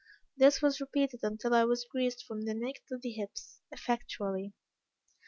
This was repeated until I was greased from the neck to the hips, effectually.